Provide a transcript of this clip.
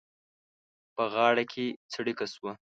په غاړه کې څړيکه شوه.